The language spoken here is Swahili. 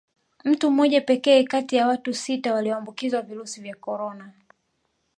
Mtu mmoja pekee kati ya watu sita walioambukizwa virusi vya Corona